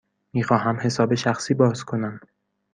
می خواهم حساب شخصی باز کنم.